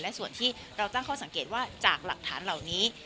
และส่วนที่เราตั้งข้อสังเกตว่าจากหลักฐานเหล่านี้